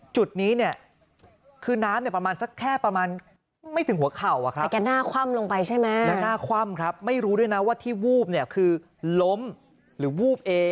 จุดนี้คือน้ำประมาณสักแค่ไม่ถึงหัวเข่าครับ